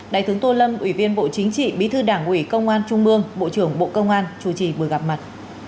đại thướng tô lâm ủy viên bộ chính trị bí thư đảng ủy công an trung ương bộ trưởng bộ công an chủ trì vừa gặp mặt